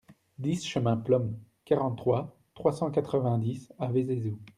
dix chemin Plom, quarante-trois, trois cent quatre-vingt-dix à Vézézoux